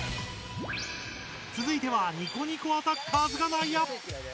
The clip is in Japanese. つづいてはニコニコアタッカーズが内野。